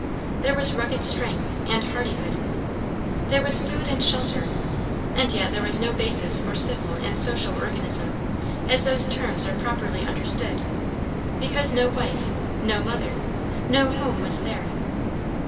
There was rugged strength and hardihood. There was food and shelter, and yet there was no basis for civil and social organism, as those terms are properly understood, because no wife, no mother, no home was there.